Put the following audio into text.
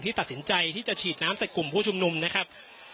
ตัดสินใจที่จะฉีดน้ำใส่กลุ่มผู้ชุมนุมนะครับ